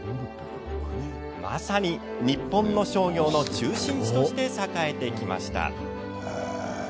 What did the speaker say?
まさに、日本の商業の中心地として栄えました。